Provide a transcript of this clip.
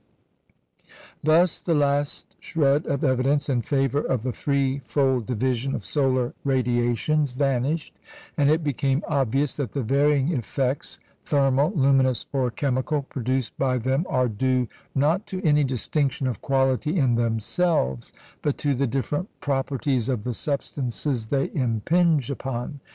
Thus the last shred of evidence in favour of the threefold division of solar radiations vanished, and it became obvious that the varying effects thermal, luminous, or chemical produced by them are due, not to any distinction of quality in themselves, but to the different properties of the substances they impinge upon.